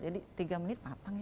jadi tiga menit patang ya